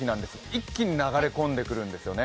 一気に流れ込んでくるんですよね。